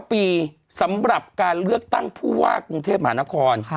ปีสำหรับการเลือกตั้งผู้ว่ากรุงเทพมหานคร